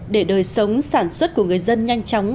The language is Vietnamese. để đời sống sản xuất của người dân nhanh chóng